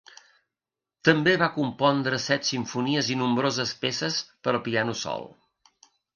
També va compondre set simfonies i nombroses peces per a piano sol.